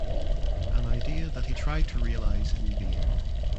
An idea that he tried to realize in vain.